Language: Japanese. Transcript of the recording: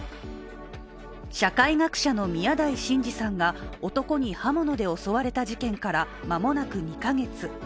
社会学者の宮台真司さんが男に刃物で襲われた事件から間もなく２か月。